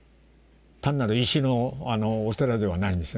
単なる石のお寺ではないんですね。